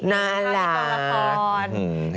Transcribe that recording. น่ารัก